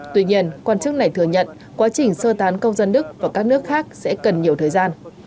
tuy nhiên quan chức này thừa nhận quá trình sơ tán công dân đức và các nước khác sẽ cần nhiều thời gian